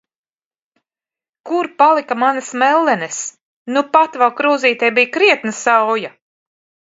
Kur palika manas mellenes?! Nupat vēl krūzītē bija krietna sauja!